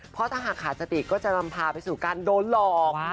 เพราะถ้าหากขาดสติก็จะนำพาไปสู่การโดนหลอก